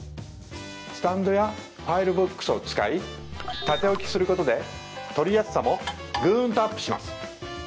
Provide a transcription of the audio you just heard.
スタンドやファイルボックスを使い立て置きすることで取りやすさもぐーんとＵＰします